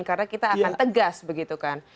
karena kita akan tegas begitu kan